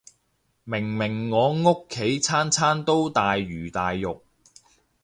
明明我屋企餐餐都大魚大肉